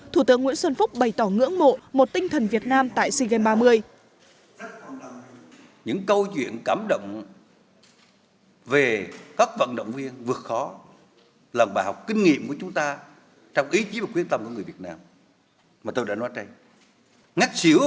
thủ tướng nguyễn xuân phúc bày tỏ ngưỡng mộ một tinh thần việt nam tại sea games ba mươi